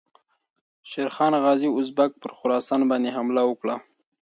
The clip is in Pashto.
شېرغازي خان اوزبک پر خراسان باندې حمله وکړه.